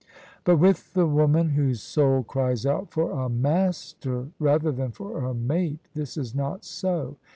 But with the woman whose soul cries out for a master rather than for a mate, this is not so.